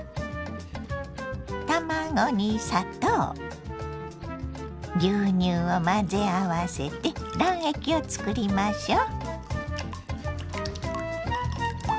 卵に砂糖牛乳を混ぜ合わせて卵液を作りましょ。